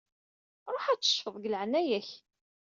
Ruḥ ad teccfeḍ deg leɛnaya-k.